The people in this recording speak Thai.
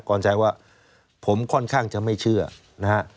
ก่อนใจว่าผมค่อนข้างจะไม่เชื่อนะฮะ